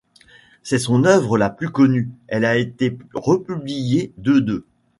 C’est son œuvre la plus connue, elle a été republiée deux deux.